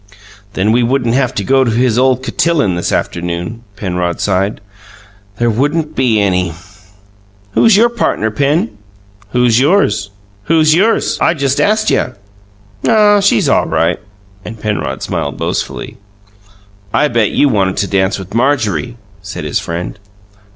"Then we wouldn't have to go to his ole cotillon this afternoon," Penrod sighed. "There wouldn't be any!" "Who's your partner, Pen?" "Who's yours?" "Who's yours? I just ast you." "Oh, she's all right!" And Penrod smiled boastfully. "I bet you wanted to dance with Marjorie!" said his friend.